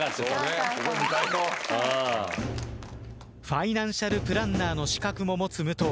ファイナンシャルプランナーの資格も持つ武藤。